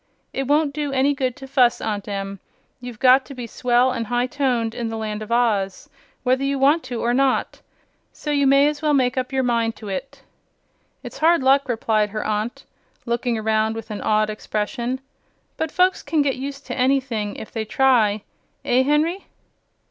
It won't do any good to fuss, Aunt Em. You've got to be swell and high toned in the Land of Oz, whether you want to or not; so you may as well make up your mind to it." "It's hard luck," replied her aunt, looking around with an awed expression; "but folks can get used to anything, if they try. Eh, Henry?"